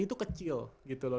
itu kecil gitu loh